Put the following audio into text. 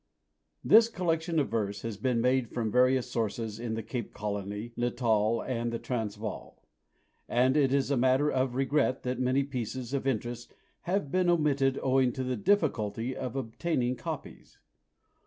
This collection of verse has been made from various sources in the Cape Colony, Natal, and the Transvaal, and it is a matter of regret that many pieces of interest have been omitted owing to the difficulty of obtaining copies.